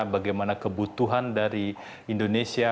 bagaimana kebutuhan dari indonesia